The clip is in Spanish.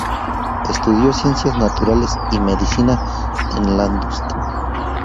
Estudió ciencias naturales y medicina, en Landshut.